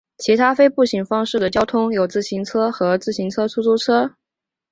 其他非步行方式的交通有自行车和自行车出租车。